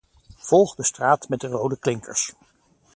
Volg de straat met de rode klinkers.